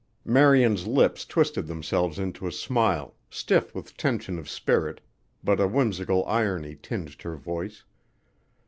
Marian's lips twisted themselves into a smile, stiff with tension of spirit, but a whimsical irony tinged her voice.